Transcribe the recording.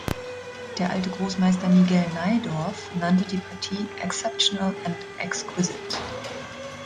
Der alte Großmeister Miguel Najdorf nannte die Partie „exceptional and exquisite“.